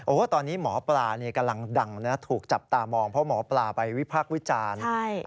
ตอนนี้หมอปลากำลังดังนะถูกจับตามองเพราะหมอปลาไปวิพากษ์วิจารณ์